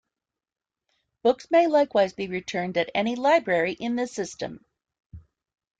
Books may likewise be returned at any library in the system.